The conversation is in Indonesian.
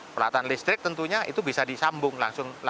peralatan listrik tentunya itu bisa disambung langsung